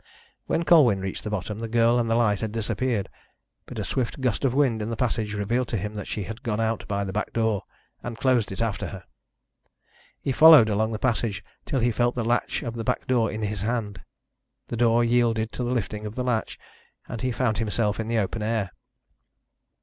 When Colwyn reached the bottom, the girl and the light had disappeared. But a swift gust of wind in the passage revealed to him that she had gone out by the back door, and closed it after her. He followed along the passage till he felt the latch of the back door in his hand. The door yielded to the lifting of the latch, and he found himself in the open air.